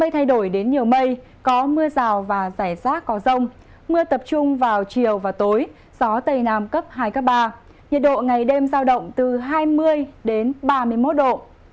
thay đổi đến nhiều mây có mưa rào và rải rác có rông mưa tập trung vào chiều và tối gió tây nam cấp hai cấp ba nhiệt độ ngày đêm giao động từ hai mươi đến ba mươi một độ